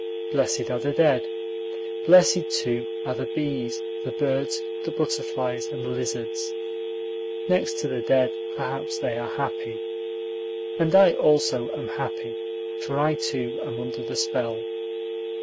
Blessed are the dead. Blessed, too, are the bees, the birds, the butterflies, and the lizards. Next to the dead, perhaps, they are happy. And I also am happy, for I too am under the spell.